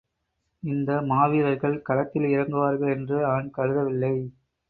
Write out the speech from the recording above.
இந்த மாவீரர்கள் களத்தில் இறங்கு வார்கள் என்று அவன் கருதவில்லை.